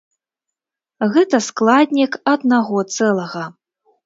Гэта складнік аднаго цэлага.